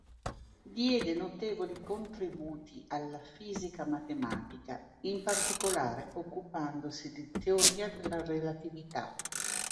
Diede notevoli contributi alla fisica matematica, in particolare occupandosi di teoria della relatività.